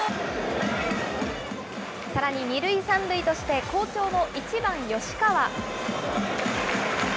さらに２塁３塁として、好調の１番吉川。